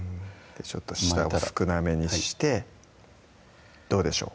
ちょっと下を少なめにしてどうでしょう？